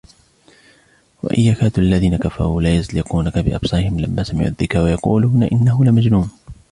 وإن يكاد الذين كفروا ليزلقونك بأبصارهم لما سمعوا الذكر ويقولون إنه لمجنون